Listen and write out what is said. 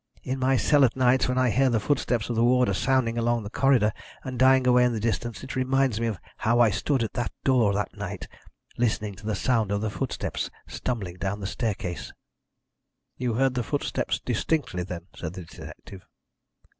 In my cell at nights, when I hear the footsteps of the warder sounding along the corridor and dying away in the distance, it reminds me of how I stood at the door that night, listening to the sound of the footsteps stumbling down the staircase." "You heard the footsteps distinctly, then?" said the detective.